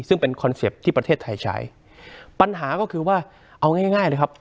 ซึ่งเป็นคอนเซ็ปต์ที่ประเทศไทยใช้ปัญหาก็คือว่าเอาง่ายง่ายเลยครับ